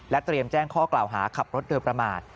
เตรียมแจ้งข้อกล่าวหาขับรถโดยประมาท